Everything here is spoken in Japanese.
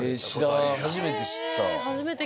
初めて知った。